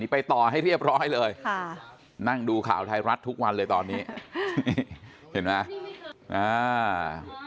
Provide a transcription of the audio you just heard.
ไปต่อให้เรียบร้อยเลยค่ะนั่งดูข่าวไทยรัฐทุกวันเลยตอนนี้นี่เห็นไหมอ่า